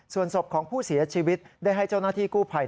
ส่วนศพของผู้เสียชีวิตได้ให้เจ้าหน้าที่กู้ภัย